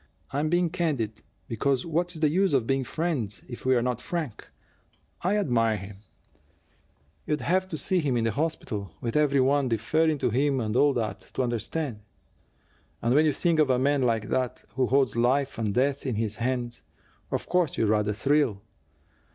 I'm being candid, because what's the use of being friends if we're not frank? I admire him you'd have to see him in the hospital, with every one deferring to him and all that, to understand. And when you think of a man like that, who holds life and death in his hands, of course you rather thrill.